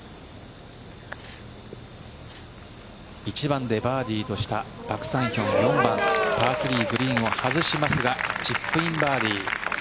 １番でバーディーとしたパク・サンヒョンの４番、パー３グリーンを外しますがチップインバーディー。